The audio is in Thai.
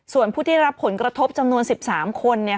ส่วนผู้ที่รับผลกระทบจำนวน๑๓คน